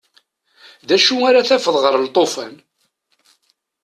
D acu ara tafeḍ ɣer lṭufan?